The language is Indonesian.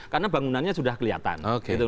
karena bangunannya sudah kelihatan gitu